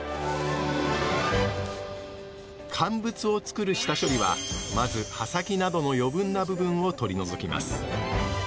乾物をつくる下処理はまず葉先などの余分な部分を取り除きます。